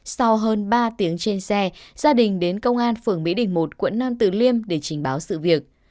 sau hơn ba tiếng trên xe gia đình đến công an phường mỹ đình một quận nam tử liêm để trình báo sự việc